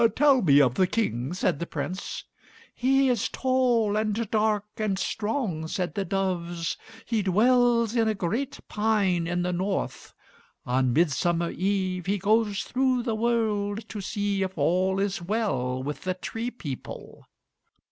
"Tell me of the King," said the Prince. "He is tall and dark and strong," said the doves. "He dwells in a great pine in the North. On Midsummer Eve, he goes through the world to see if all is well with the tree people."